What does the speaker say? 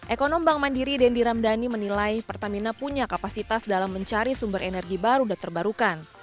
ekonom bank mandiri dendi ramdhani menilai pertamina punya kapasitas dalam mencari sumber energi baru dan terbarukan